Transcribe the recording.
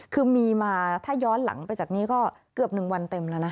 คือมีมาถ้าย้อนหลังไปจากนี้ก็เกือบ๑วันเต็มแล้วนะ